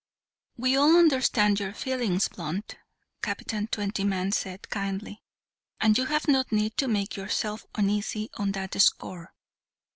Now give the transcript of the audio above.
"We all understand your feelings, Blunt," Captain Twentyman said, kindly, "and you have no need to make yourself uneasy on that score.